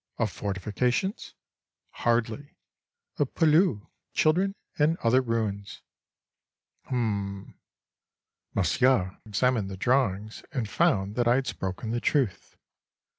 —Of fortifications? Hardly; of poilus, children, and other ruins.—Ummmm. (Monsieur examined the drawings and found that I had spoken the truth.)